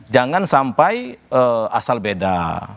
jangan sampai asal beda